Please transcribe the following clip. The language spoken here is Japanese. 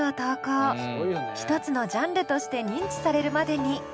一つのジャンルとして認知されるまでに。